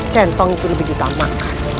centang itu lebih kita makan